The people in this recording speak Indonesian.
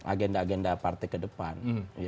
agenda agenda partai ke depan